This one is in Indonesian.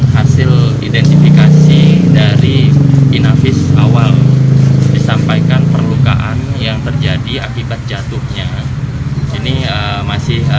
hasil identifikasi dari inavis awal disampaikan perlukaan yang terjadi akibat jatuhnya ini masih